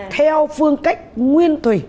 theo phương cách nguyên thủy